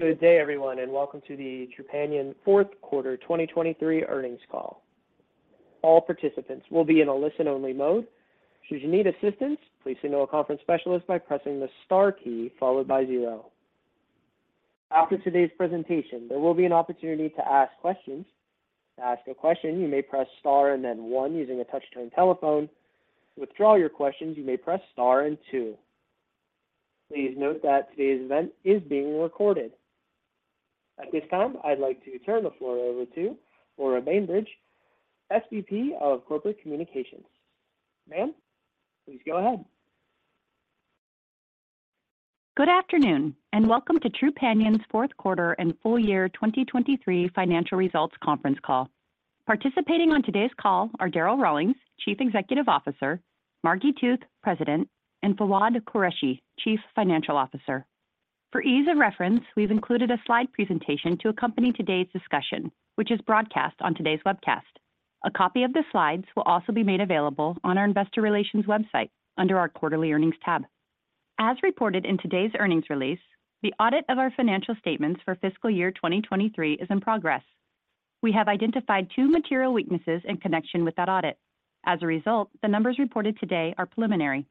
Good day, everyone, and welcome to the Trupanion fourth quarter 2023 earnings call. All participants will be in a listen-only mode. Should you need assistance, please signal a conference specialist by pressing the star key followed by zero. After today's presentation, there will be an opportunity to ask questions. To ask a question, you may press star and then one using a touch-tone telephone. To withdraw your questions, you may press star and two. Please note that today's event is being recorded. At this time, I'd like to turn the floor over to Laura Bainbridge, SVP of Corporate Communications. Ma'am, please go ahead. Good afternoon and welcome to Trupanion's fourth quarter and full year 2023 financial results conference call. Participating on today's call are Darryl Rawlings, Chief Executive Officer; Margi Tooth, President; and Fawwad Qureshi, Chief Financial Officer. For ease of reference, we've included a slide presentation to accompany today's discussion, which is broadcast on today's webcast. A copy of the slides will also be made available on our investor relations website under our quarterly earnings tab. As reported in today's earnings release, the audit of our financial statements for fiscal year 2023 is in progress. We have identified two material weaknesses in connection with that audit. As a result, the numbers reported today are preliminary.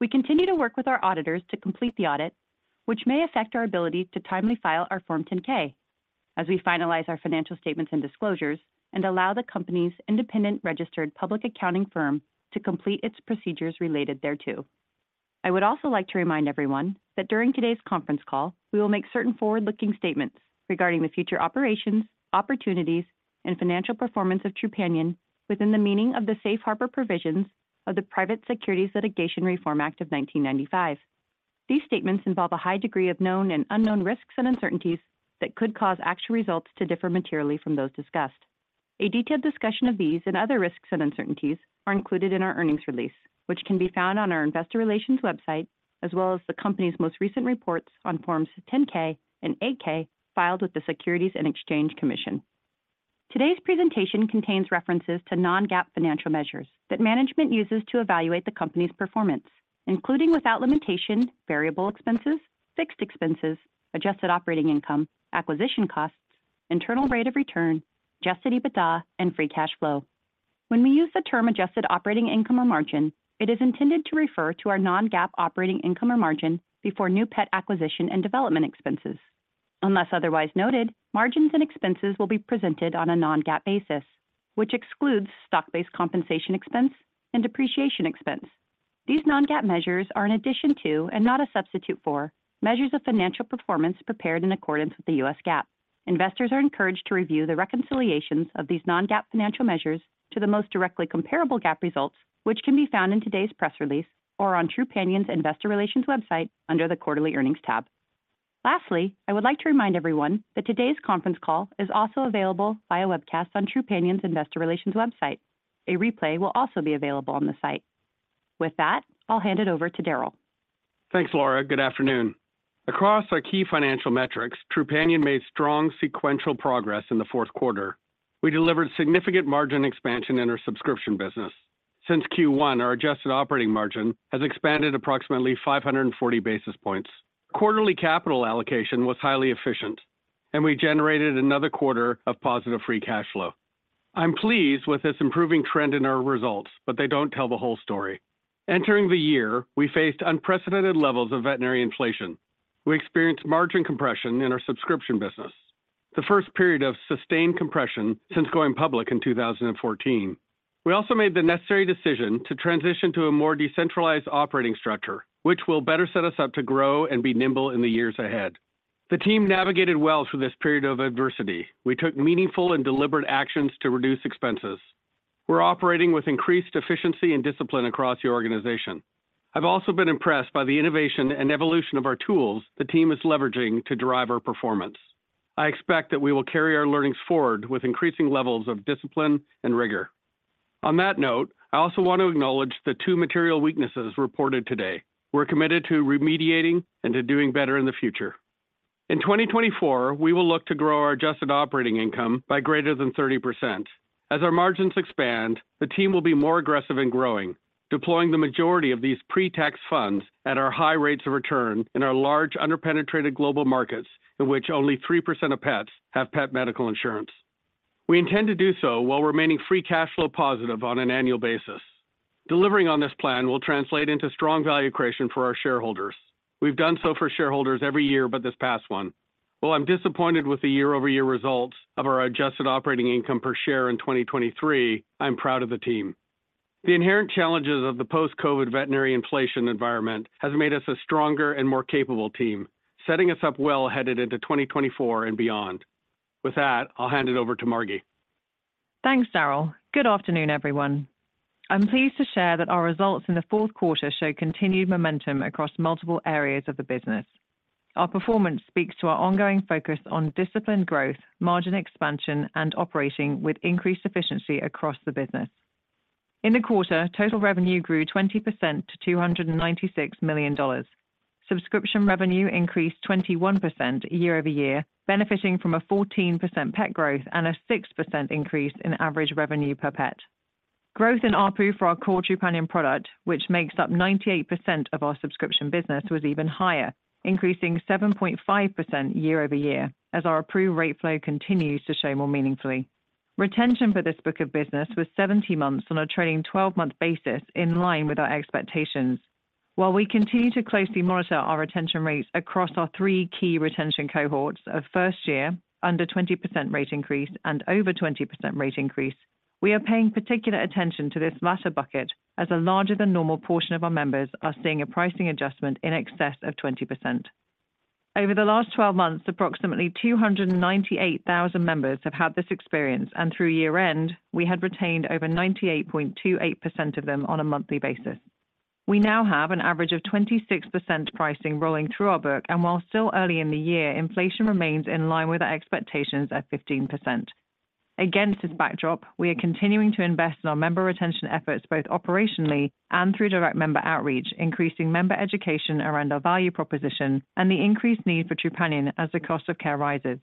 We continue to work with our auditors to complete the audit, which may affect our ability to timely file our Form 10-K as we finalize our financial statements and disclosures and allow the company's independent registered public accounting firm to complete its procedures related thereto. I would also like to remind everyone that during today's conference call, we will make certain forward-looking statements regarding the future operations, opportunities, and financial performance of Trupanion within the meaning of the safe harbor provisions of the Private Securities Litigation Reform Act of 1995. These statements involve a high degree of known and unknown risks and uncertainties that could cause actual results to differ materially from those discussed. A detailed discussion of these and other risks and uncertainties are included in our earnings release, which can be found on our investor relations website as well as the company's most recent reports on Forms 10-K and 8-K filed with the Securities and Exchange Commission. Today's presentation contains references to non-GAAP financial measures that management uses to evaluate the company's performance, including without limitation variable expenses, fixed expenses, Adjusted Operating Income, acquisition costs, Internal Rate of Return, Adjusted EBITDA, and Free Cash Flow. When we use the term Adjusted Operating Income or margin, it is intended to refer to our non-GAAP operating income or margin before new pet acquisition and development expenses. Unless otherwise noted, margins and expenses will be presented on a non-GAAP basis, which excludes stock-based compensation expense and depreciation expense. These non-GAAP measures are an addition to and not a substitute for measures of financial performance prepared in accordance with the U.S. GAAP. Investors are encouraged to review the reconciliations of these non-GAAP financial measures to the most directly comparable GAAP results, which can be found in today's press release or on Trupanion's investor relations website under the quarterly earnings tab. Lastly, I would like to remind everyone that today's conference call is also available via webcast on Trupanion's investor relations website. A replay will also be available on the site. With that, I'll hand it over to Darryl. Thanks, Laura. Good afternoon. Across our key financial metrics, Trupanion made strong sequential progress in the fourth quarter. We delivered significant margin expansion in our subscription business. Since Q1, our adjusted operating margin has expanded approximately 540 basis points. Quarterly capital allocation was highly efficient, and we generated another quarter of positive free cash flow. I'm pleased with this improving trend in our results, but they don't tell the whole story. Entering the year, we faced unprecedented levels of veterinary inflation. We experienced margin compression in our subscription business, the first period of sustained compression since going public in 2014. We also made the necessary decision to transition to a more decentralized operating structure, which will better set us up to grow and be nimble in the years ahead. The team navigated well through this period of adversity. We took meaningful and deliberate actions to reduce expenses. We're operating with increased efficiency and discipline across the organization. I've also been impressed by the innovation and evolution of our tools the team is leveraging to drive our performance. I expect that we will carry our learnings forward with increasing levels of discipline and rigor. On that note, I also want to acknowledge the two Material Weaknesses reported today. We're committed to remediating and to doing better in the future. In 2024, we will look to grow our Adjusted Operating Income by greater than 30%. As our margins expand, the team will be more aggressive in growing, deploying the majority of these pre-tax funds at our high rates of return in our large underpenetrated global markets in which only 3% of pets have pet medical insurance. We intend to do so while remaining Free Cash Flow positive on an annual basis. Delivering on this plan will translate into strong value creation for our shareholders. We've done so for shareholders every year, but this past one. While I'm disappointed with the year-over-year results of our adjusted operating income per share in 2023, I'm proud of the team. The inherent challenges of the post-COVID veterinary inflation environment have made us a stronger and more capable team, setting us up well-headed into 2024 and beyond. With that, I'll hand it over to Margi. Thanks, Darryl. Good afternoon, everyone. I'm pleased to share that our results in the fourth quarter show continued momentum across multiple areas of the business. Our performance speaks to our ongoing focus on disciplined growth, margin expansion, and operating with increased efficiency across the business. In the quarter, total revenue grew 20% to $296 million. Subscription revenue increased 21% year-over-year, benefiting from a 14% PET growth and a 6% increase in average revenue per PET. Growth in ARPU for our core Trupanion product, which makes up 98% of our subscription business, was even higher, increasing 7.5% year-over-year as our ARPU rate flow continues to show more meaningfully. Retention for this book of business was 70 months on a trailing 12-month basis in line with our expectations. While we continue to closely monitor our retention rates across our three key retention cohorts of first-year, under-20% rate increase, and over-20% rate increase, we are paying particular attention to this latter bucket as a larger-than-normal portion of our members are seeing a pricing adjustment in excess of 20%. Over the last 12 months, approximately 298,000 members have had this experience, and through year-end, we had retained over 98.28% of them on a monthly basis. We now have an average of 26% pricing rolling through our book, and while still early in the year, inflation remains in line with our expectations at 15%. Against this backdrop, we are continuing to invest in our member retention efforts both operationally and through direct member outreach, increasing member education around our value proposition and the increased need for Trupanion as the cost of care rises.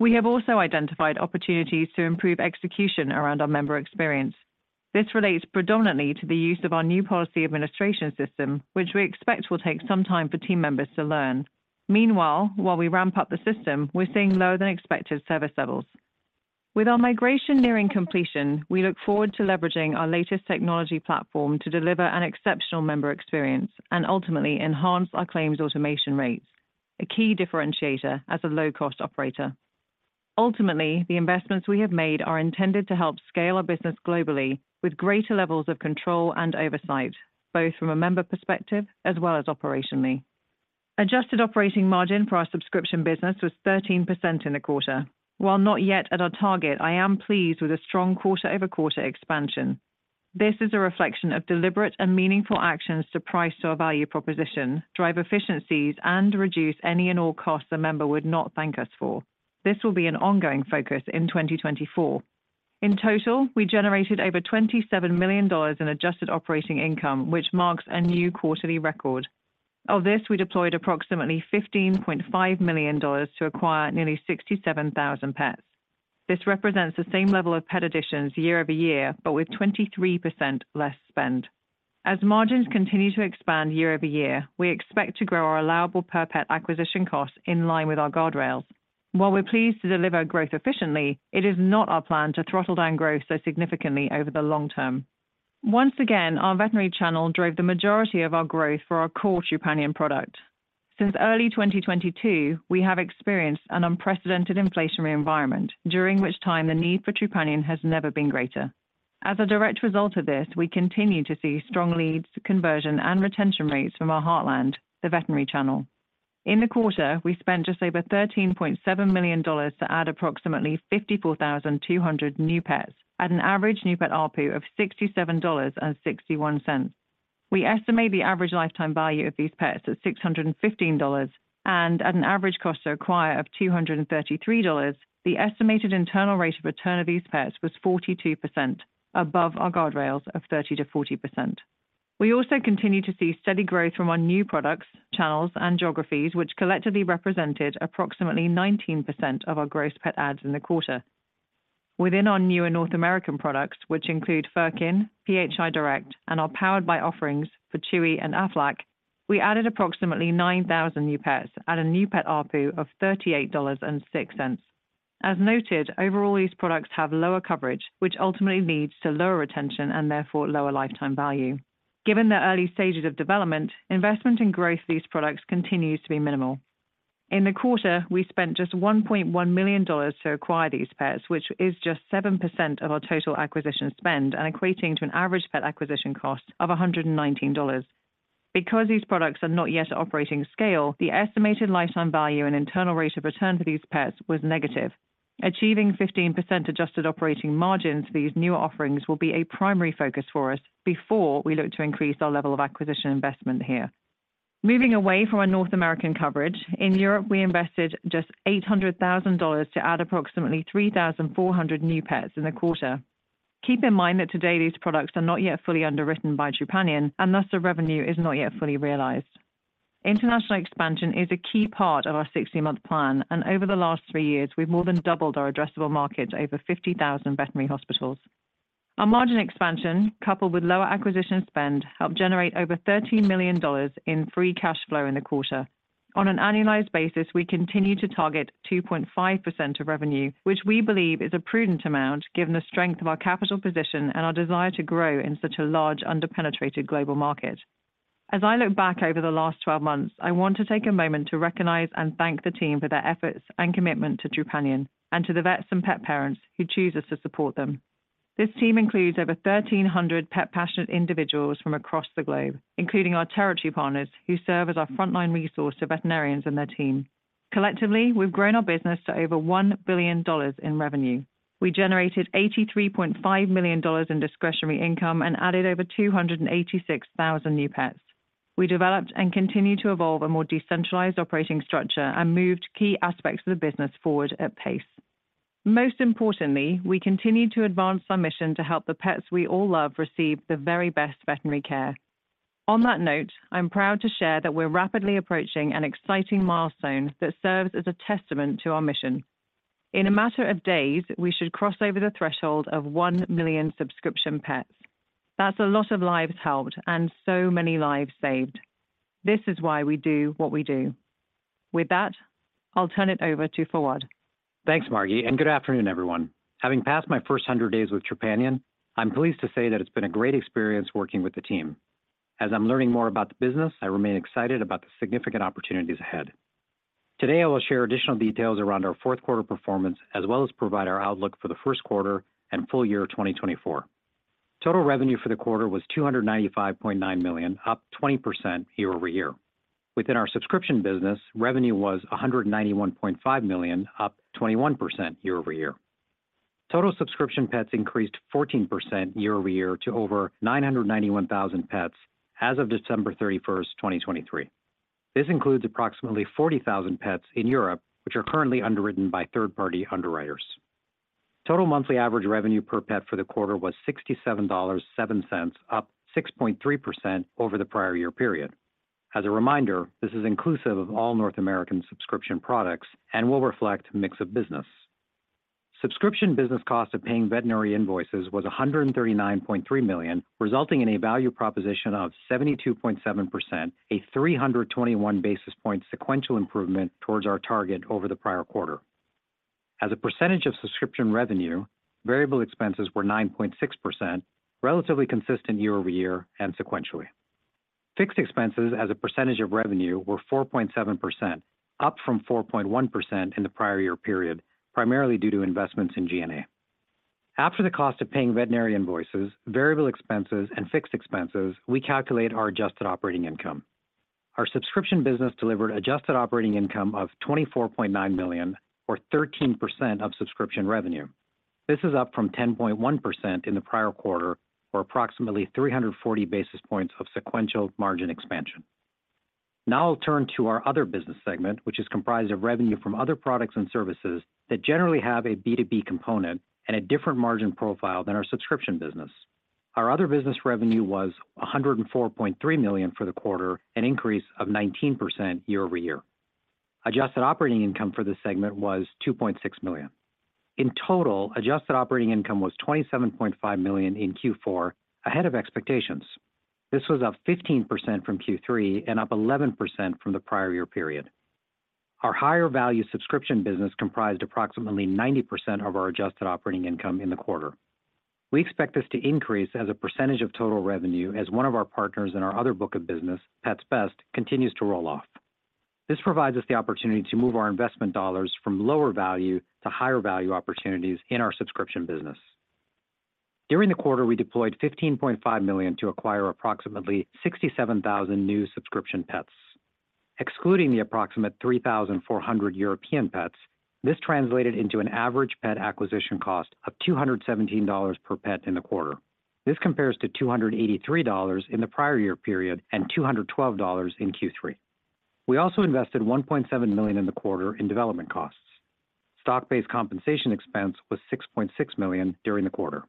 We have also identified opportunities to improve execution around our member experience. This relates predominantly to the use of our new policy administration system, which we expect will take some time for team members to learn. Meanwhile, while we ramp up the system, we're seeing lower-than-expected service levels. With our migration nearing completion, we look forward to leveraging our latest technology platform to deliver an exceptional member experience and ultimately enhance our claims automation rates, a key differentiator as a low-cost operator. Ultimately, the investments we have made are intended to help scale our business globally with greater levels of control and oversight, both from a member perspective as well as operationally. Adjusted operating margin for our subscription business was 13% in the quarter. While not yet at our target, I am pleased with a strong quarter-over-quarter expansion. This is a reflection of deliberate and meaningful actions to price our Value Proposition, drive efficiencies, and reduce any and all costs a member would not thank us for. This will be an ongoing focus in 2024. In total, we generated over $27 million in Adjusted Operating Income, which marks a new quarterly record. Of this, we deployed approximately $15.5 million to acquire nearly 67,000 PETs. This represents the same level of PET additions year over year, but with 23% less spend. As margins continue to expand year over year, we expect to grow our allowable per PET acquisition costs in line with our guardrails. While we're pleased to deliver growth efficiently, it is not our plan to throttle down growth so significantly over the long term. Once again, our veterinary channel drove the majority of our growth for our core Trupanion product. Since early 2022, we have experienced an unprecedented inflationary environment, during which time the need for Trupanion has never been greater. As a direct result of this, we continue to see strong leads, conversion, and retention rates from our heartland, the veterinary channel. In the quarter, we spent just over $13.7 million to add approximately 54,200 new pets, at an average new pet ARPU of $67.61. We estimate the average lifetime value of these pets at $615, and at an average cost to acquire of $233, the estimated internal rate of return of these pets was 42%, above our guardrails of 30%-40%. We also continue to see steady growth from our new products, channels, and geographies, which collectively represented approximately 19% of our gross pet adds in the quarter. Within our newer North American products, which include Furkin, PHI Direct, and our powered-by offerings for Chewy and Aflac, we added approximately 9,000 new pets at a new pet ARPU of $38.06. As noted, overall, these products have lower coverage, which ultimately leads to lower retention and therefore lower lifetime value. Given their early stages of development, investment in growth for these products continues to be minimal. In the quarter, we spent just $1.1 million to acquire these pets, which is just 7% of our total acquisition spend and equating to an average pet acquisition cost of $119. Because these products are not yet at operating scale, the estimated lifetime value and internal rate of return for these pets was negative. Achieving 15% adjusted operating margins for these newer offerings will be a primary focus for us before we look to increase our level of acquisition investment here. Moving away from our North American coverage, in Europe, we invested just $800,000 to add approximately 3,400 new pets in the quarter. Keep in mind that today, these products are not yet fully underwritten by Trupanion, and thus the revenue is not yet fully realized. International expansion is a key part of our 60-month plan, and over the last three years, we've more than doubled our addressable market to over 50,000 veterinary hospitals. Our margin expansion, coupled with lower acquisition spend, helped generate over $13 million in free cash flow in the quarter. On an annualized basis, we continue to target 2.5% of revenue, which we believe is a prudent amount given the strength of our capital position and our desire to grow in such a large underpenetrated global market. As I look back over the last 12 months, I want to take a moment to recognize and thank the team for their efforts and commitment to Trupanion and to the vets and pet parents who choose us to support them. This team includes over 1,300 pet-passionate individuals from across the globe, including our territory partners who serve as our frontline resource to veterinarians and their team. Collectively, we've grown our business to over $1 billion in revenue. We generated $83.5 million in discretionary income and added over 286,000 new pets. We developed and continue to evolve a more decentralized operating structure and moved key aspects of the business forward at pace. Most importantly, we continue to advance our mission to help the pets we all love receive the very best veterinary care. On that note, I'm proud to share that we're rapidly approaching an exciting milestone that serves as a testament to our mission. In a matter of days, we should cross over the threshold of 1 million subscription pets. That's a lot of lives helped and so many lives saved. This is why we do what we do. With that, I'll turn it over to Fawwad. Thanks, Margi, and good afternoon, everyone. Having passed my first 100 days with Trupanion, I'm pleased to say that it's been a great experience working with the team. As I'm learning more about the business, I remain excited about the significant opportunities ahead. Today, I will share additional details around our fourth-quarter performance as well as provide our outlook for the first quarter and full year 2024. Total revenue for the quarter was $295.9 million, up 20% year-over-year. Within our subscription business, revenue was $191.5 million, up 21% year-over-year. Total subscription PETs increased 14% year-over-year to over 991,000 PETs as of December 31, 2023. This includes approximately 40,000 PETs in Europe, which are currently underwritten by third-party underwriters. Total monthly average revenue per PET for the quarter was $67.07, up 6.3% over the prior year period. As a reminder, this is inclusive of all North American subscription products and will reflect a mix of business. Subscription business cost of paying veterinary invoices was $139.3 million, resulting in a value proposition of 72.7%, a 321 basis point sequential improvement towards our target over the prior quarter. As a percentage of subscription revenue, variable expenses were 9.6%, relatively consistent year-over-year and sequentially. Fixed expenses, as a percentage of revenue, were 4.7%, up from 4.1% in the prior year period, primarily due to investments in G&A. After the cost of paying veterinary invoices, variable expenses, and fixed expenses, we calculate our adjusted operating income. Our subscription business delivered adjusted operating income of $24.9 million, or 13% of subscription revenue. This is up from 10.1% in the prior quarter, or approximately 340 basis points of sequential margin expansion. Now I'll turn to our other business segment, which is comprised of revenue from other products and services that generally have a B2B component and a different margin profile than our subscription business. Our other business revenue was $104.3 million for the quarter, an increase of 19% year-over-year. Adjusted Operating Income for this segment was $2.6 million. In total, adjusted operating income was $27.5 million in Q4, ahead of expectations. This was up 15% from Q3 and up 11% from the prior year period. Our higher-value subscription business comprised approximately 90% of our adjusted operating income in the quarter. We expect this to increase as a percentage of total revenue as one of our partners in our other book of business, Pets Best, continues to roll off. This provides us the opportunity to move our investment dollars from lower value to higher value opportunities in our subscription business. During the quarter, we deployed $15.5 million to acquire approximately 67,000 new subscription PETs. Excluding the approximate 3,400 European PETs, this translated into an average PET acquisition cost of $217 per PET in the quarter. This compares to $283 in the prior year period and $212 in Q3. We also invested $1.7 million in the quarter in development costs. Stock-based compensation expense was $6.6 million during the quarter.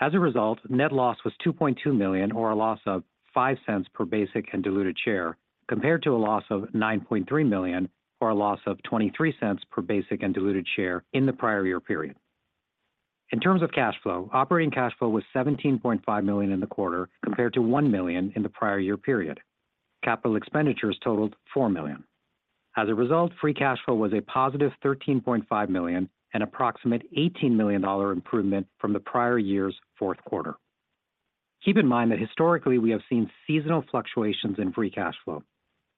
As a result, net loss was $2.2 million, or a loss of $0.05 per basic and diluted share, compared to a loss of $9.3 million, or a loss of $0.23 per basic and diluted share in the prior year period. In terms of cash flow, operating cash flow was $17.5 million in the quarter, compared to $1 million in the prior year period. Capital expenditures totaled $4 million. As a result, Free Cash Flow was a positive $13.5 million and approximate $18 million improvement from the prior year's fourth quarter. Keep in mind that, historically, we have seen seasonal fluctuations in Free Cash Flow.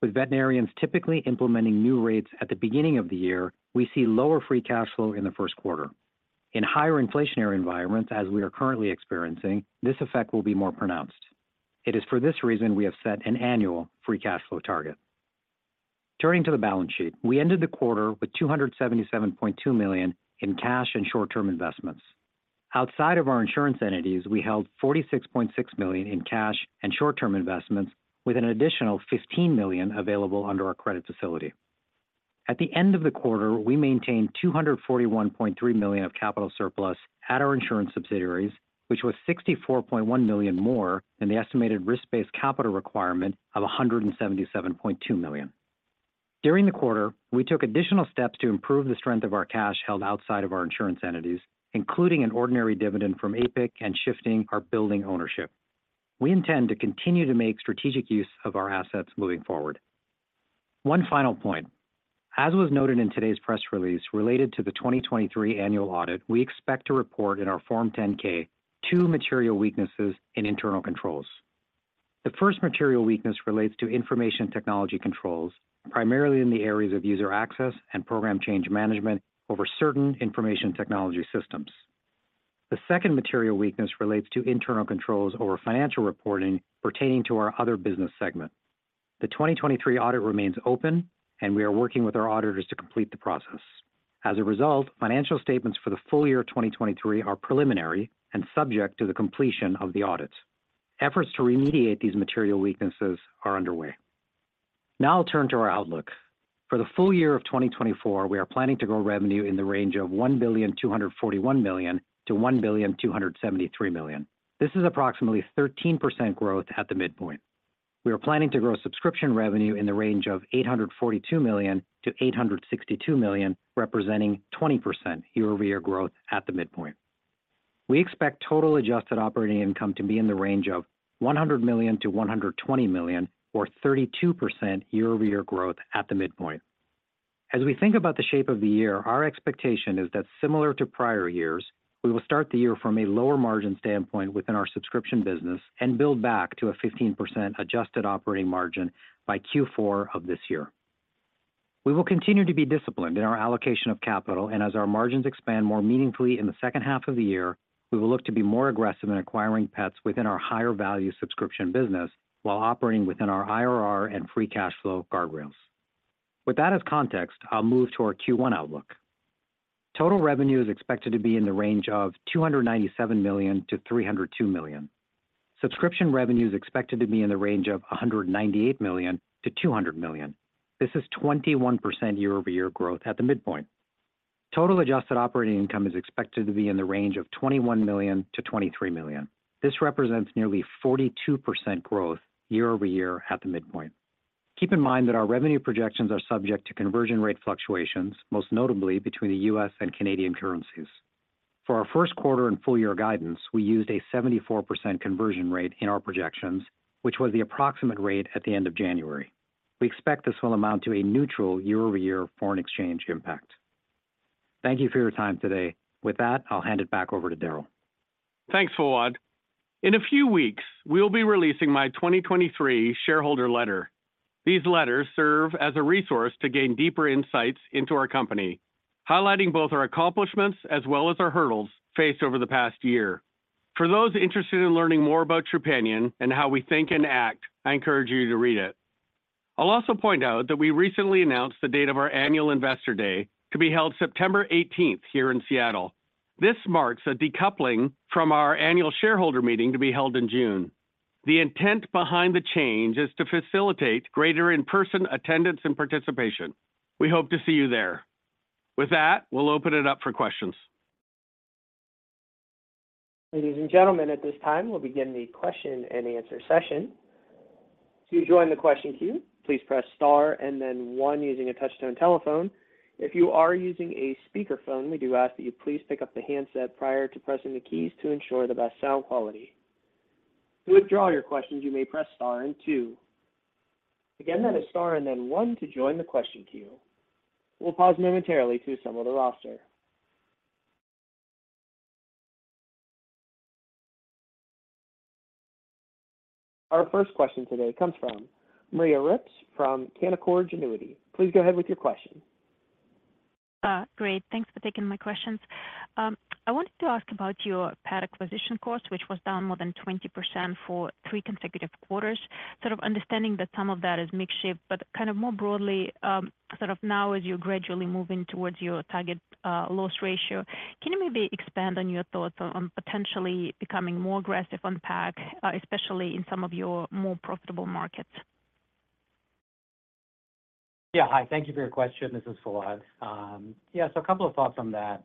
With veterinarians typically implementing new rates at the beginning of the year, we see lower Free Cash Flow in the first quarter. In higher inflationary environments, as we are currently experiencing, this effect will be more pronounced. It is for this reason we have set an annual Free Cash Flow target. Turning to the balance sheet, we ended the quarter with $277.2 million in cash and short-term investments. Outside of our insurance entities, we held $46.6 million in cash and short-term investments, with an additional $15 million available under our credit facility. At the end of the quarter, we maintained $241.3 million of capital surplus at our insurance subsidiaries, which was $64.1 million more than the estimated risk-based capital requirement of $177.2 million. During the quarter, we took additional steps to improve the strength of our cash held outside of our insurance entities, including an ordinary dividend from APIC and shifting our building ownership. We intend to continue to make strategic use of our assets moving forward. One final point: As was noted in today's press release related to the 2023 annual audit, we expect to report in our Form 10-K two material weaknesses in internal controls. The first material weakness relates to information technology controls, primarily in the areas of user access and program change management over certain information technology systems. The second material weakness relates to internal controls over financial reporting pertaining to our other business segment. The 2023 audit remains open, and we are working with our auditors to complete the process. As a result, financial statements for the full year 2023 are preliminary and subject to the completion of the audit. Efforts to remediate these material weaknesses are underway. Now I'll turn to our outlook. For the full year of 2024, we are planning to grow revenue in the range of $1.241 billion-$1.273 billion. This is approximately 13% growth at the midpoint. We are planning to grow subscription revenue in the range of $842 million-$862 million, representing 20% year-over-year growth at the midpoint. We expect total adjusted operating income to be in the range of $100 million-$120 million, or 32% year-over-year growth at the midpoint. As we think about the shape of the year, our expectation is that, similar to prior years, we will start the year from a lower margin standpoint within our subscription business and build back to a 15% adjusted operating margin by Q4 of this year. We will continue to be disciplined in our allocation of capital, and as our margins expand more meaningfully in the second half of the year, we will look to be more aggressive in acquiring pets within our higher-value subscription business while operating within our IRR and free cash flow guardrails. With that as context, I'll move to our Q1 outlook. Total revenue is expected to be in the range of $297-$302 million. Subscription revenue is expected to be in the range of $198-$200 million. This is 21% year-over-year growth at the midpoint. Total adjusted operating income is expected to be in the range of $21 million-$23 million. This represents nearly 42% growth year-over-year at the midpoint. Keep in mind that our revenue projections are subject to conversion rate fluctuations, most notably between the U.S. and Canadian currencies. For our first quarter and full year guidance, we used a 74% conversion rate in our projections, which was the approximate rate at the end of January. We expect this will amount to a neutral year-over-year foreign exchange impact. Thank you for your time today. With that, I'll hand it back over to Darryl. Thanks, Fawwad. In a few weeks, we'll be releasing my 2023 shareholder letter. These letters serve as a resource to gain deeper insights into our company, highlighting both our accomplishments as well as our hurdles faced over the past year. For those interested in learning more about Trupanion and how we think and act, I encourage you to read it. I'll also point out that we recently announced the date of our annual Investor Day to be held September 18 here in Seattle. This marks a decoupling from our annual shareholder meeting to be held in June. The intent behind the change is to facilitate greater in-person attendance and participation. We hope to see you there. With that, we'll open it up for questions. Ladies and gentlemen, at this time, we'll begin the question-and-answer session. To join the question queue, please press star and then one using a touch-tone telephone. If you are using a speakerphone, we do ask that you please pick up the handset prior to pressing the keys to ensure the best sound quality. To withdraw your questions, you may press star and two. Again, that is star and then one to join the question queue. We'll pause momentarily to assemble the roster. Our first question today comes from Maria Rips from Canaccord Genuity. Please go ahead with your question. Great. Thanks for taking my questions. I wanted to ask about your PAC acquisition cost, which was down more than 20% for three consecutive quarters, sort of understanding that some of that is mix shift. But, kind of more broadly, sort of now as you're gradually moving towards your target loss ratio, can you maybe expand on your thoughts on potentially becoming more aggressive on PAC, especially in some of your more profitable markets? Yeah. Hi. Thank you for your question, This is Fawwad. Yeah, so a couple of thoughts on that.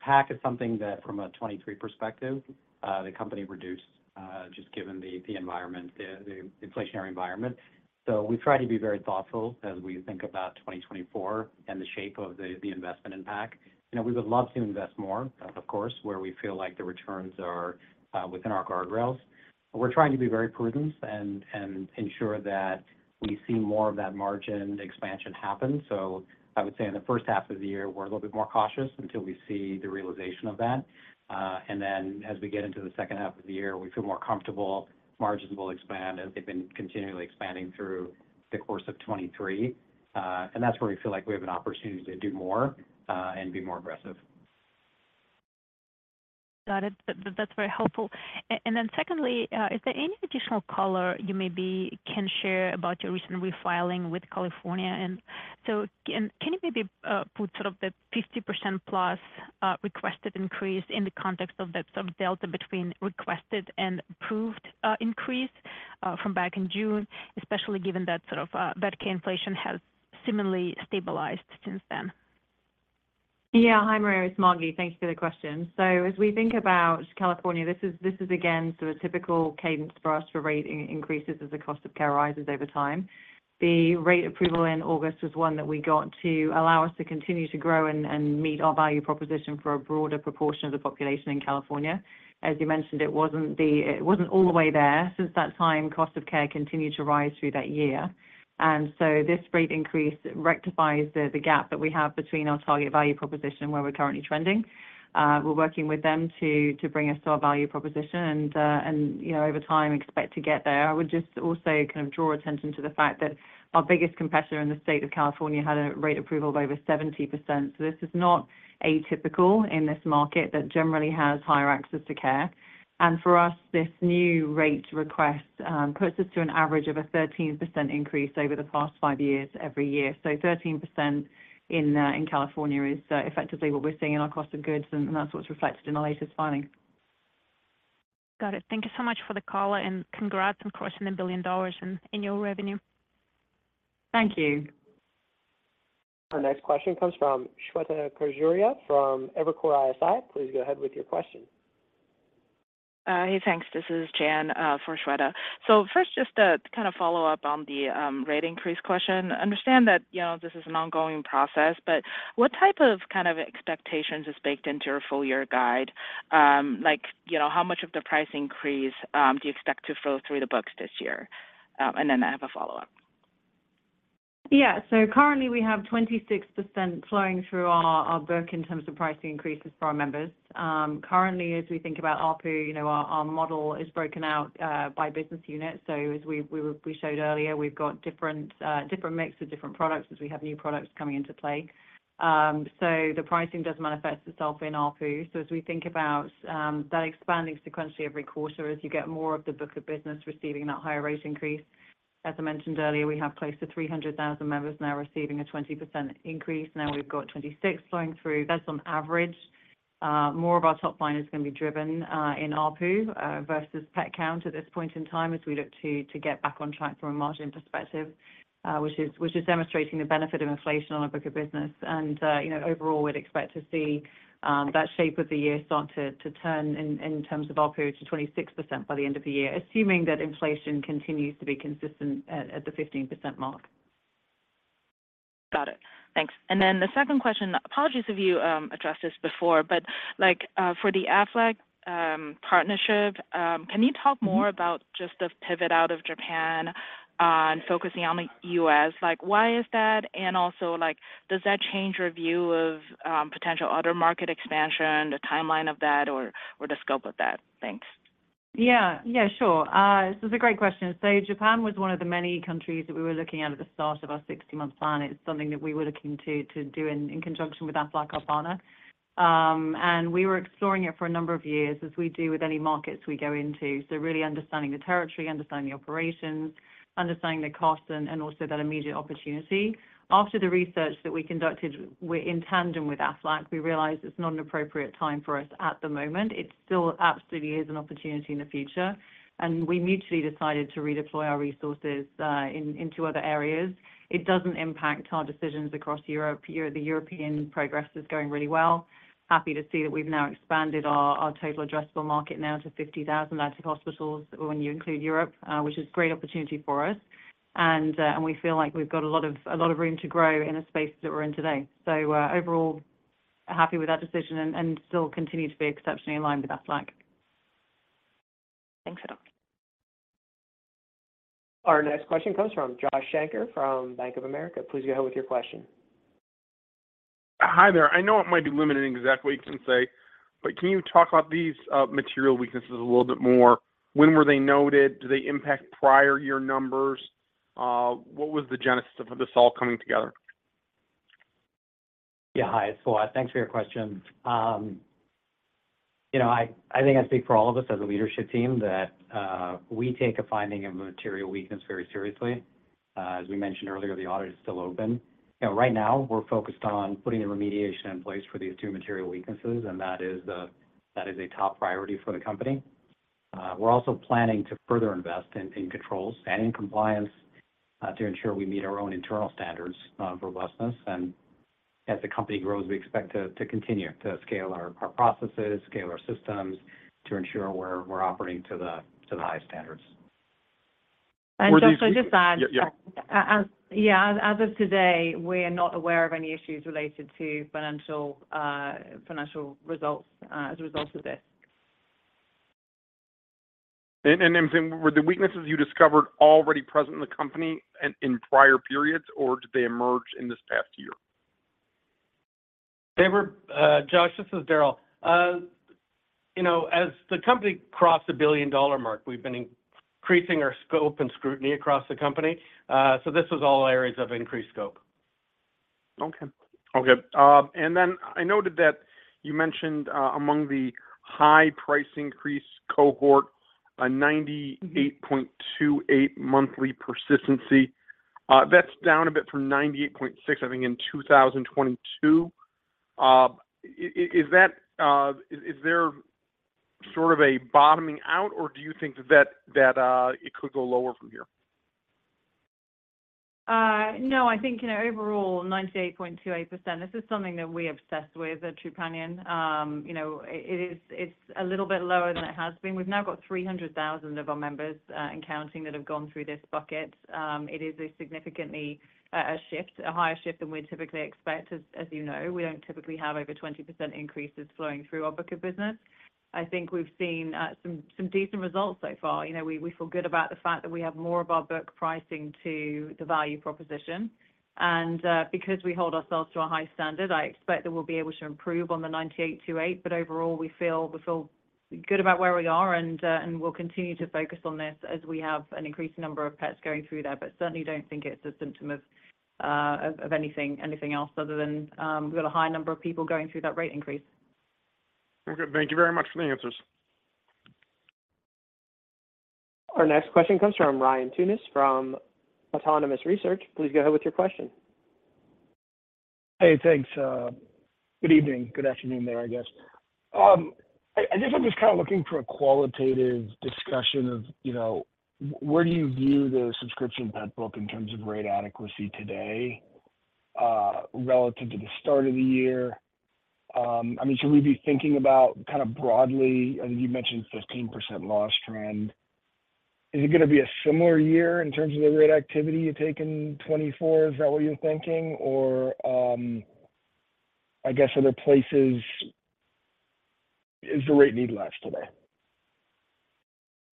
PAC is something that, from a 2023 perspective, the company reduced, just given the environment, the inflationary environment. So we've tried to be very thoughtful as we think about 2024 and the shape of the investment in PAC. We would love to invest more, of course, where we feel like the returns are within our guardrails. We're trying to be very prudent and ensure that we see more of that margin expansion happen. So, I would say, in the first half of the year, we're a little bit more cautious until we see the realization of that. And then, as we get into the second half of the year, we feel more comfortable margins will expand, as they've been continually expanding through the course of 2023. That's where we feel like we have an opportunity to do more and be more aggressive. Got it. That's very helpful. And then, secondly, is there any additional color you maybe can share about your recent refiling with California? And so, can you maybe put sort of the 50%+ requested increase in the context of that sort of delta between requested and approved increase from back in June, especially given that sort of vet care inflation has similarly stabilized since then? Yeah. Hi, Maria Ripps. Thanks for the question. So, as we think about California, this is, again, sort of a typical cadence for us for rate increases as the cost of care rises over time. The rate approval in August was one that we got to allow us to continue to grow and meet our value proposition for a broader proportion of the population in California. As you mentioned, it wasn't all the way there. Since that time, cost of care continued to rise through that year. And so, this rate increase rectifies the gap that we have between our target value proposition and where we're currently trending. We're working with them to bring us to our value proposition and, over time, expect to get there. I would just also kind of draw attention to the fact that our biggest competitor in the state of California had a rate approval of over 70%. So, this is not atypical in this market that generally has higher access to care. And for us, this new rate request puts us to an average of a 13% increase over the past five years every year. So, 13% in California is effectively what we're seeing in our cost of goods, and that's what's reflected in our latest filing. Got it. Thank you so much for the call, and congrats on crossing $1 billion in your revenue. Thank you. Our next question comes from Shweta Khajuria from Evercore ISI. Please go ahead with your question. Hey, thanks. This is Jian for Shweta. So, first, just to kind of follow up on the rate increase question. Understand that this is an ongoing process, but what type of kind of expectations is baked into your full-year guide? Like, how much of the price increase do you expect to flow through the books this year? And then I have a follow-up. Yeah. So, currently, we have 26% flowing through our book in terms of pricing increases for our members. Currently, as we think about ARPU, our model is broken out by business units. So, as we showed earlier, we've got different mix of different products as we have new products coming into play. So, the pricing does manifest itself in ARPU. So, as we think about that expanding sequentially every quarter, as you get more of the book of business receiving that higher rate increase, as I mentioned earlier, we have close to 300,000 members now receiving a 20% increase. Now, we've got 26% flowing through. On average, more of our top line is going to be driven in ARPU versus PEC count at this point in time as we look to get back on track from a margin perspective, which is demonstrating the benefit of inflation on a book of business. And, overall, we'd expect to see that shape of the year start to turn in terms of ARPU to 26% by the end of the year, assuming that inflation continues to be consistent at the 15% mark. Got it. Thanks. And then the second question, apologies if you addressed this before, but for the Aflac partnership, can you talk more about just the pivot out of Japan and focusing on the U.S.? Why is that? And also, does that change your view of potential other market expansion, the timeline of that, or the scope of that? Thanks. Yeah. Yeah, sure. This is a great question. So, Japan was one of the many countries that we were looking at at the start of our 60-month plan. It's something that we were looking to do in conjunction with Aflac, our partner. And we were exploring it for a number of years, as we do with any markets we go into. So, really understanding the territory, understanding the operations, understanding the cost, and also that immediate opportunity. After the research that we conducted in tandem with Aflac, we realized it's not an appropriate time for us at the moment. It still absolutely is an opportunity in the future. And we mutually decided to redeploy our resources into other areas. It doesn't impact our decisions across Europe. The European progress is going really well. Happy to see that we've now expanded our total addressable market now to 50,000 active hospitals when you include Europe, which is a great opportunity for us. We feel like we've got a lot of room to grow in the space that we're in today. Overall, happy with that decision and still continue to be exceptionally aligned with Aflac. Thanks, Adam. Our next question comes from Josh Shanker from Bank of America. Please go ahead with your question. Hi there. I know it might be limited in exact weaknesses, but can you talk about these material weaknesses a little bit more? When were they noted? Do they impact prior-year numbers? What was the genesis of this all coming together? Yeah. Hi, it's Fawwad. Thanks for your question. I think I speak for all of us as a leadership team, that we take a finding of Material Weakness very seriously. As we mentioned earlier, the audit is still open. Right now, we're focused on putting the remediation in place for these two Material Weaknesses, and that is a top priority for the company. We're also planning to further invest in controls and in compliance to ensure we meet our own internal standards of robustness. As the company grows, we expect to continue to scale our processes, scale our systems to ensure we're operating to the highest standards. Just to add. Yeah. Yeah. As of today, we're not aware of any issues related to financial results as a result of this. Were the weaknesses you discovered already present in the company in prior periods, or did they emerge in this past year? Josh, this is Darryl. As the company crossed the billion-dollar mark, we've been increasing our scope and scrutiny across the company. So, this was all areas of increased scope. Okay. Okay. And then I noted that you mentioned among the high-price increase cohort, a 98.28 monthly persistency. That's down a bit from 98.6, I think, in 2022. Is there sort of a bottoming out, or do you think that it could go lower from here? No. I think, overall, 98.28%. This is something that we obsess with at Trupanion. It's a little bit lower than it has been. We've now got 300,000 of our members and counting that have gone through this bucket. It is a significantly shift, a higher shift than we'd typically expect, as you know. We don't typically have over 20% increases flowing through our book of business. I think we've seen some decent results so far. We feel good about the fact that we have more of our book pricing to the value proposition. And because we hold ourselves to a high standard, I expect that we'll be able to improve on the 98.28. But overall, we feel good about where we are, and we'll continue to focus on this as we have an increasing number of PETs going through there. Certainly, don't think it's a symptom of anything else other than we've got a high number of people going through that rate increase. Okay. Thank you very much for the answers. Our next question comes from Ryan Tunis from Autonomous Research. Please go ahead with your question. Hey, thanks. Good evening. Good afternoon there, I guess. I guess I'm just kind of looking for a qualitative discussion of where do you view the subscription PET book in terms of rate adequacy today relative to the start of the year? I mean, should we be thinking about kind of broadly I think you mentioned 15% loss trend. Is it going to be a similar year in terms of the rate activity you take in 2024? Is that what you're thinking? Or I guess, are there places is the rate need less today?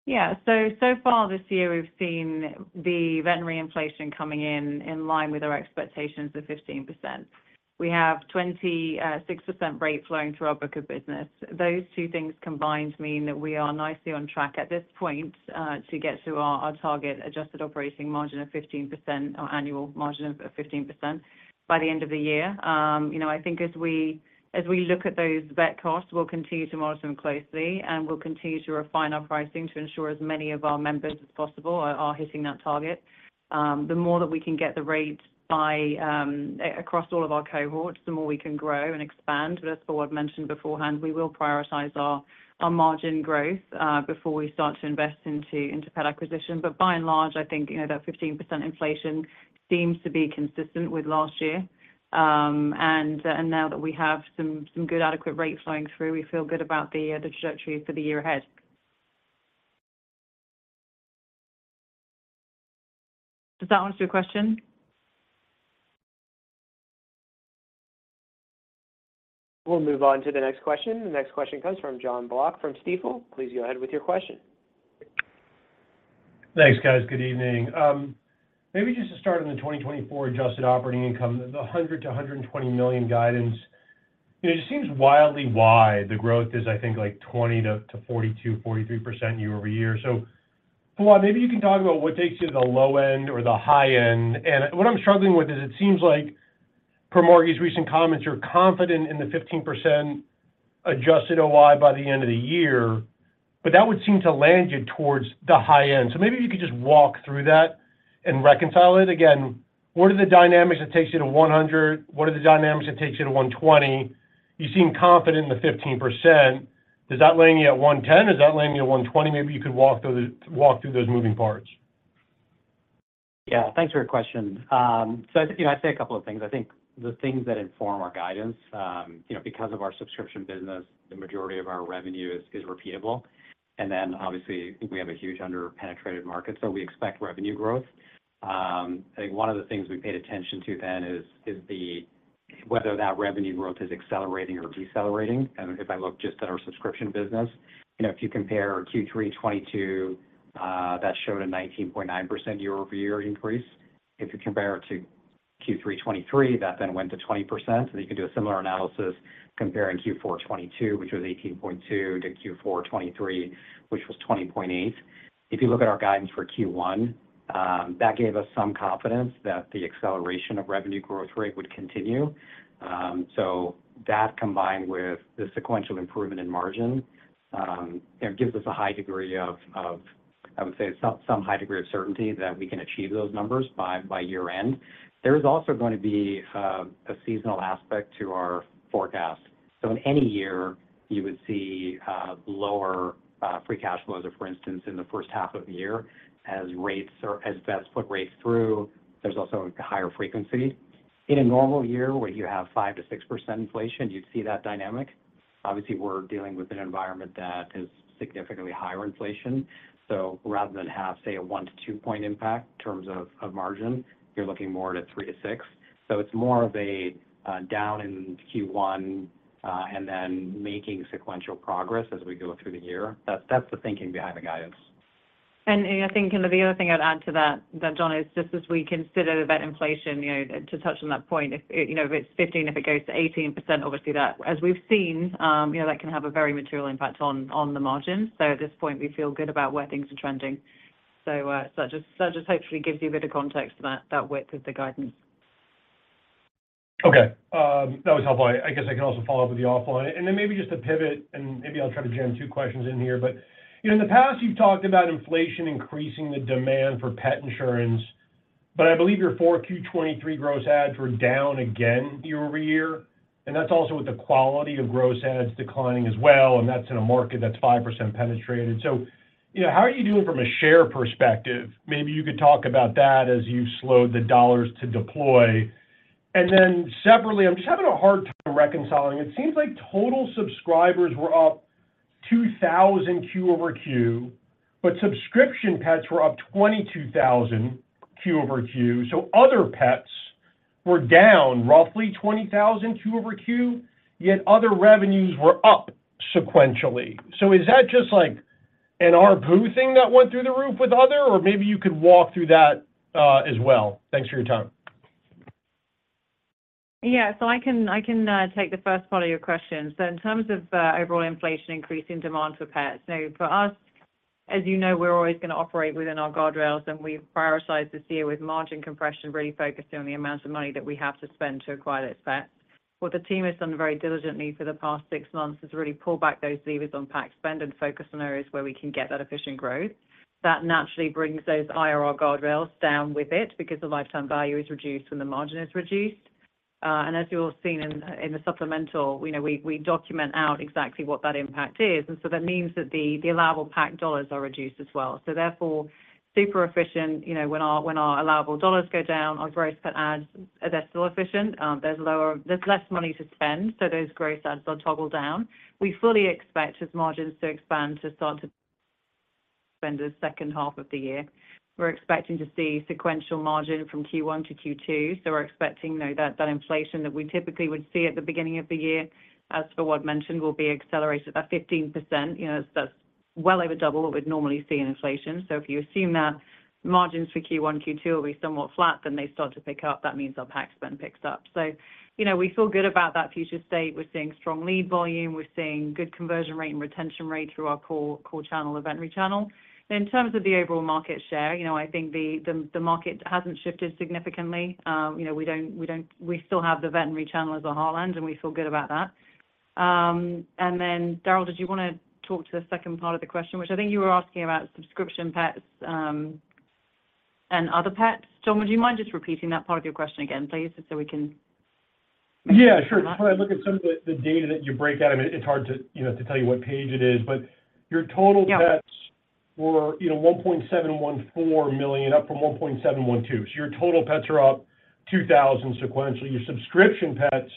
Yeah. So, so far this year, we've seen the veterinary inflation coming in in line with our expectations of 15%. We have 26% rate flowing through our book of business. Those two things combined mean that we are nicely on track at this point to get to our target adjusted operating margin of 15%, our annual margin of 15%, by the end of the year. I think as we look at those vet costs, we'll continue to monitor them closely, and we'll continue to refine our pricing to ensure as many of our members as possible are hitting that target. The more that we can get the rate across all of our cohorts, the more we can grow and expand. But as Fawwad mentioned beforehand, we will prioritize our margin growth before we start to invest into pet acquisition. By and large, I think that 15% inflation seems to be consistent with last year. Now that we have some good adequate rate flowing through, we feel good about the trajectory for the year ahead. Does that answer your question? We'll move on to the next question. The next question comes from Jon Block from Stifel. Please go ahead with your question. Thanks, guys. Good evening. Maybe just to start on the 2024 adjusted operating income, the $100 million-$120 million guidance, it just seems wildly wide. The growth is, I think, like 20%-42%, 43% year-over-year. So, Fawwad, maybe you can talk about what takes you to the low end or the high end. And what I'm struggling with is it seems like, per Margi's recent comments, you're confident in the 15% adjusted OI by the end of the year, but that would seem to land you towards the high end. So maybe if you could just walk through that and reconcile it. Again, what are the dynamics that takes you to $100 million? What are the dynamics that takes you to $120 million? You seem confident in the 15%. Does that land you at $110 million? Does that land you at $120 million? Maybe you could walk through those moving parts. Yeah. Thanks for your question. So I'd say a couple of things. I think the things that inform our guidance, because of our subscription business, the majority of our revenue is repeatable. And then, obviously, we have a huge under-penetrated market, so we expect revenue growth. I think one of the things we paid attention to then is whether that revenue growth is accelerating or decelerating. And if I look just at our subscription business, if you compare Q3 2022, that showed a 19.9% year-over-year increase. If you compare it to Q3 2023, that then went to 20%. And then you can do a similar analysis comparing Q4 2022, which was 18.2%, to Q4 2023, which was 20.8%. If you look at our guidance for Q1, that gave us some confidence that the acceleration of revenue growth rate would continue. So that, combined with the sequential improvement in margin, gives us a high degree of, I would say, some high degree of certainty that we can achieve those numbers by year-end. There is also going to be a seasonal aspect to our forecast. So in any year, you would see lower free cash flows, for instance, in the first half of the year. As vets put rates through, there's also a higher frequency. In a normal year where you have 5%-6% inflation, you'd see that dynamic. Obviously, we're dealing with an environment that is significantly higher inflation. So rather than have, say, a 1-2-point impact in terms of margin, you're looking more at a 3-6. So it's more of a down in Q1 and then making sequential progress as we go through the year. That's the thinking behind the guidance. I think the other thing I'd add to that, Jon, is just as we consider the vet inflation, to touch on that point, if it's 15%, if it goes to 18%, obviously, as we've seen, that can have a very material impact on the margins. At this point, we feel good about where things are trending. That just hopefully gives you a bit of context to that width of the guidance. Okay. That was helpful. I guess I can also follow up with the offline. Then maybe just to pivot, and maybe I'll try to jam two questions in here. But in the past, you've talked about inflation increasing the demand for pet insurance, but I believe your 4Q23 gross ads were down again year-over-year. And that's also with the quality of gross ads declining as well. And that's in a market that's 5% penetrated. So how are you doing from a share perspective? Maybe you could talk about that as you've slowed the dollars to deploy. And then separately, I'm just having a hard time reconciling. It seems like total subscribers were up 2,000 Q over Q, but subscription pets were up 22,000 Q over Q. So other pets were down roughly 20,000 Q over Q, yet other revenues were up sequentially. Is that just an RPO thing that went through the roof with other, or maybe you could walk through that as well? Thanks for your time. Yeah. So I can take the first part of your question. So in terms of overall inflation increasing demand for pets, for us, as you know, we're always going to operate within our guardrails, and we've prioritized this year with margin compression really focusing on the amount of money that we have to spend to acquire those pets. What the team has done very diligently for the past six months is really pull back those levers on PAC spend and focus on areas where we can get that efficient growth. That naturally brings those IRR guardrails down with it because the lifetime value is reduced when the margin is reduced. And as you've all seen in the supplemental, we document out exactly what that impact is. And so that means that the allowable PAC dollars are reduced as well. So therefore, super efficient when our allowable dollars go down, our gross pet ads, they're still efficient. There's less money to spend, so those gross ads are toggled down. We fully expect as margins to expand to start to spend the second half of the year. We're expecting to see sequential margin from Q1 to Q2. So we're expecting that inflation that we typically would see at the beginning of the year, as Fawwad mentioned, will be accelerated by 15%. That's well over double what we'd normally see in inflation. So if you assume that margins for Q1, Q2 are going to be somewhat flat, then they start to pick up. That means our PAC spend picks up. So we feel good about that future state. We're seeing strong lead volume. We're seeing good conversion rate and retention rate through our core channel or veterinary channel. In terms of the overall market share, I think the market hasn't shifted significantly. We still have the veterinary channel as a stronghold, and we feel good about that. Then, Darryl, did you want to talk to the second part of the question, which I think you were asking about subscription pets and other pets? John, would you mind just repeating that part of your question again, please, just so we can make sure? Yeah, sure. So when I look at some of the data that you break out, I mean, it's hard to tell you what page it is. But your total pets were 1.714 million, up from 1.712. So your total pets are up 2,000 sequentially. Your subscription pets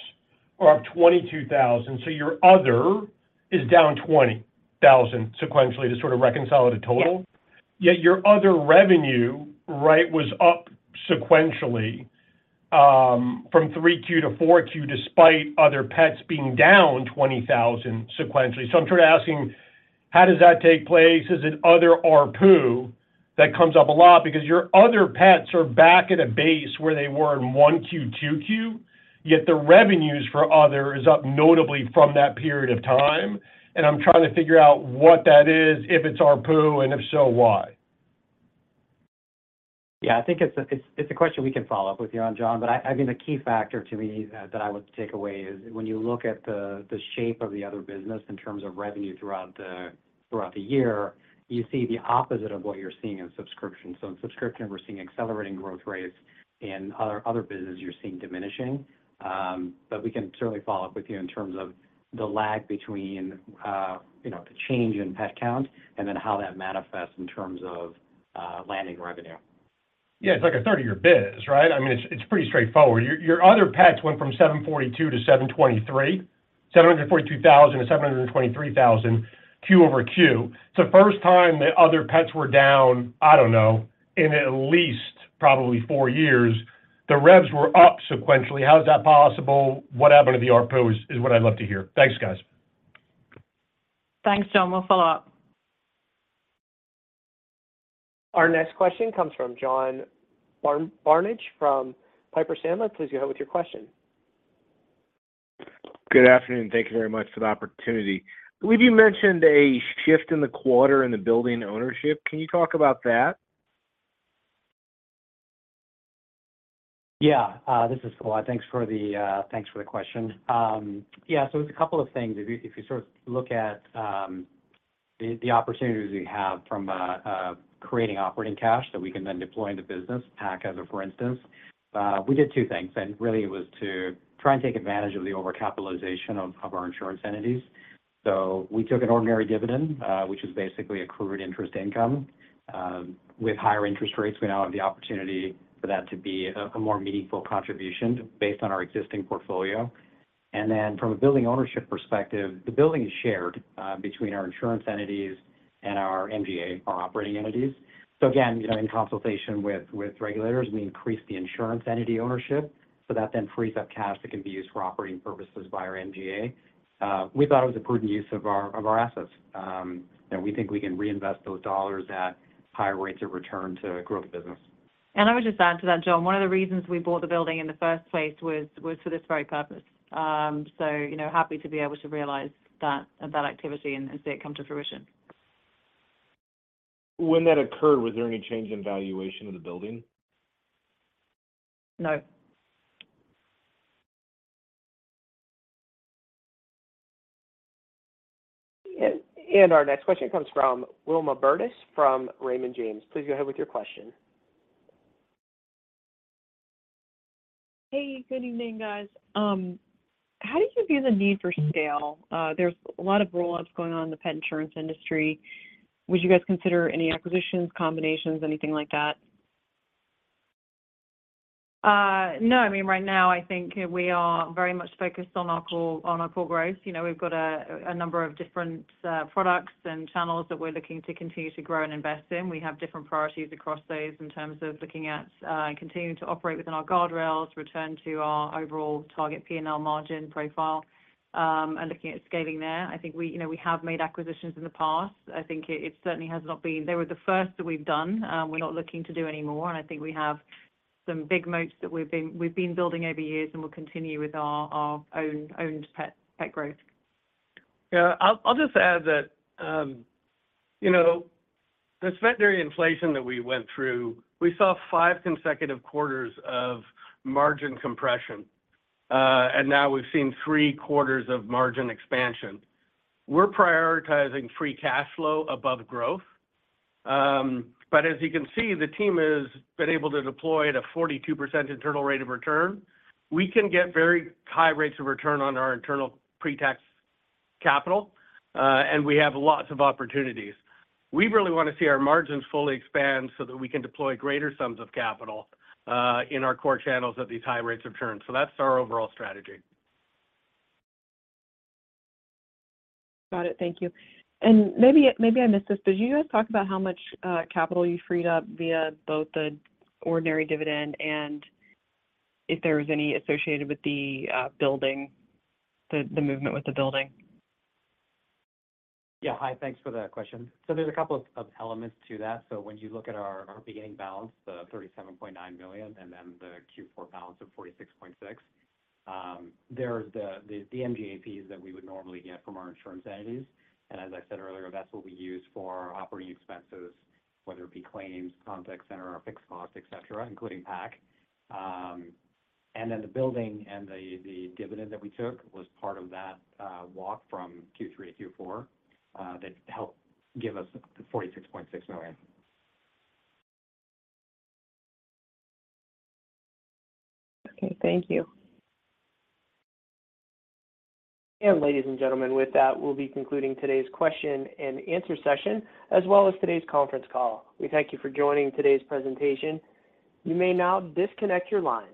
are up 22,000. So your other is down 20,000 sequentially to sort of reconcile the total. Yet your other revenue was up sequentially from 3Q to 4Q despite other pets being down 20,000 sequentially. So I'm sort of asking, how does that take place? Is it other RPO that comes up a lot? Because your other pets are back at a base where they were in 1Q, 2Q, yet the revenues for other is up notably from that period of time. And I'm trying to figure out what that is, if it's RPO, and if so, why. Yeah. I think it's a question we can follow up with you on, Jon. But I mean, the key factor to me that I would take away is when you look at the shape of the other business in terms of revenue throughout the year, you see the opposite of what you're seeing in subscription. So in subscription, we're seeing accelerating growth rates. In other businesses, you're seeing diminishing. But we can certainly follow up with you in terms of the lag between the change in pet count and then how that manifests in terms of landing revenue. Yeah. It's like a 30-year biz, right? I mean, it's pretty straightforward. Your other pets went from 742 to 723, 742,000 to 723,000 quarter-over-quarter. It's the first time that other pets were down, I don't know, in at least probably four years. The rebs were up sequentially. How is that possible? What happened to the RPO is what I'd love to hear. Thanks, guys. Thanks, John. We'll follow up. Our next question comes from John Barnidge from Piper Sandler. Please go ahead with your question. Good afternoon. Thank you very much for the opportunity. I believe you mentioned a shift in the quarter in the building ownership. Can you talk about that? Yeah. This is Fawwad. Thanks for the question. Yeah. So it's a couple of things. If you sort of look at the opportunities we have from creating operating cash that we can then deploy in the business, PAC as for instance, we did two things. And really, it was to try and take advantage of the over-capitalization of our insurance entities. So we took an ordinary dividend, which is basically accrued interest income. With higher interest rates, we now have the opportunity for that to be a more meaningful contribution based on our existing portfolio. And then from a building ownership perspective, the building is shared between our insurance entities and our MGA, our operating entities. So again, in consultation with regulators, we increase the insurance entity ownership so that then frees up cash that can be used for operating purposes by our MGA. We thought it was a prudent use of our assets. We think we can reinvest those dollars at higher rates of return to grow the business. I would just add to that, Jon, one of the reasons we bought the building in the first place was for this very purpose. So happy to be able to realize that activity and see it come to fruition. When that occurred, was there any change in valuation of the building? No. Our next question comes from Wilma Burdis from Raymond James. Please go ahead with your question. Hey. Good evening, guys. How do you view the need for scale? There's a lot of roll-ups going on in the pet insurance industry. Would you guys consider any acquisitions, combinations, anything like that? No. I mean, right now, I think we are very much focused on our core growth. We've got a number of different products and channels that we're looking to continue to grow and invest in. We have different priorities across those in terms of looking at continuing to operate within our guardrails, return to our overall target P&L margin profile, and looking at scaling there. I think we have made acquisitions in the past. I think it certainly has not been they were the first that we've done. We're not looking to do anymore. And I think we have some big moats that we've been building over years, and we'll continue with our own pet growth. Yeah. I'll just add that this veterinary inflation that we went through, we saw five consecutive quarters of margin compression. And now we've seen three quarters of margin expansion. We're prioritizing Free Cash Flow above growth. But as you can see, the team has been able to deploy at a 42% Internal Rate of Return. We can get very high rates of return on our internal pre-tax capital, and we have lots of opportunities. We really want to see our margins fully expand so that we can deploy greater sums of capital in our core channels at these high rates of return. So that's our overall strategy. Got it. Thank you. Maybe I missed this. Did you guys talk about how much capital you freed up via both the ordinary dividend and if there was any associated with the building, the movement with the building? Yeah. Hi. Thanks for that question. So there's a couple of elements to that. So when you look at our beginning balance, the $37.9 million, and then the Q4 balance of $46.6 million, there's the MGAs that we would normally get from our insurance entities. And as I said earlier, that's what we use for our operating expenses, whether it be claims, contact center, or fixed cost, etc., including PAC. And then the building and the dividend that we took was part of that walk from Q3 to Q4 that helped give us the $46.6 million. Okay. Thank you. Ladies and gentlemen, with that, we'll be concluding today's question and answer session as well as today's conference call. We thank you for joining today's presentation. You may now disconnect your lines.